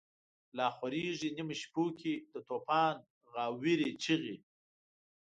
لا خوریږی نیمو شپو کی، دتوفان غاوری چیغی